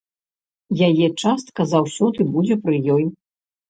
Яе частка заўсёды будзе пры ёй.